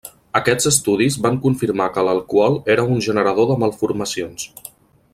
Aquests estudis van confirmar que l'alcohol era un generador de malformacions.